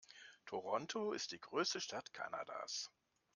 Toronto ist die größte Stadt Kanadas.